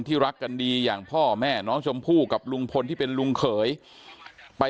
รักกันดีอย่างพ่อแม่น้องชมพู่กับลุงพลที่เป็นลุงเขยไป